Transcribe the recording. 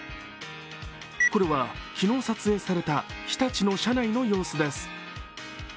これは、昨日撮影された日立の社内の様子です。